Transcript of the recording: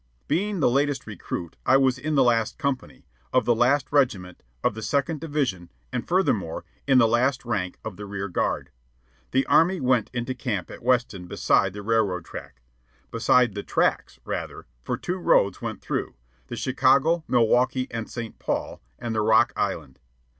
Being the latest recruit, I was in the last company, of the last regiment, of the Second Division, and, furthermore, in the last rank of the rear guard. The army went into camp at Weston beside the railroad track beside the tracks, rather, for two roads went through: the Chicago, Milwaukee, and St. Paul, and the Rock Island.